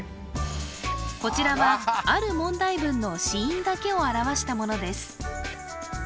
こちらはある問題文の子音だけを表したものです